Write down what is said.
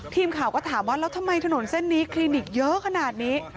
ทีมข่าวก็ถามว่าแล้วทำไมถนนเส้นนี้คลินิกเยอะขนาดนี้